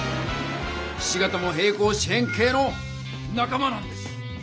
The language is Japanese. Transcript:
ひし形も平行四辺形のなか間なんです。